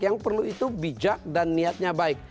yang perlu itu bijak dan niatnya baik